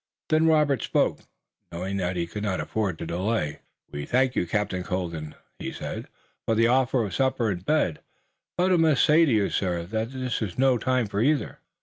Then Robert spoke, knowing they could not afford to delay. "We thank you, Captain Colden," he said, "for the offer of supper and bed, but I must say to you, sir, that it's no time for either."